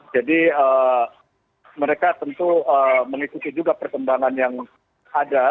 jadi mereka tentu mengikuti juga perkembangan yang ada